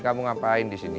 kamu ngapain di sini